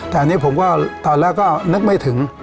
แต่อันนี้ผมก็ตอนแรกก็นึกไม่ถึง